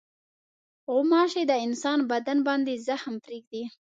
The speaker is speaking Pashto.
غوماشې د انسان بدن باندې زخم پرېږدي.